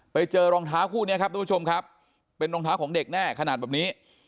ไปเจอรองเท้าคู่นี้ครับทุกผู้ชมครับเป็นรองเท้าของเด็กแน่ขนาดแบบนี้